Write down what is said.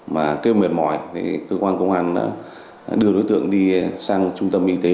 mà kêu mệt mỏi để cơ quan công an đưa đối tượng đi sang trung tâm y tế